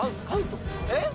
えっ？